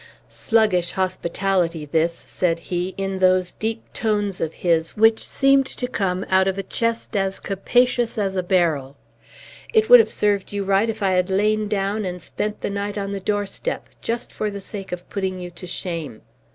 "Sluggish hospitality this!" said he, in those deep tones of his, which seemed to come out of a chest as capacious as a barrel. "It would have served you right if I had lain down and spent the night on the doorstep, just for the sake of putting you to shame.